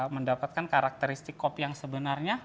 mendapatkan karakteristik kopi yang sebenarnya